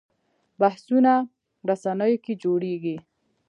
بحثونه رسنیو کې جوړېږي